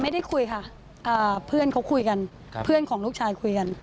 ไม่ได้คุยค่ะเพื่อนเขาคุยกันเพื่อนของลูกชายคุยกัน